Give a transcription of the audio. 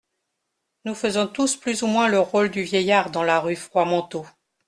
Nous faisons tous plus ou moins le rôle du vieillard dans la rue Froidmanteau.